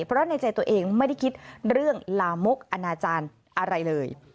เพราะในใจตัวเองไม่ได้คิดเรื่องลามกอนาจารย์อะไรเลย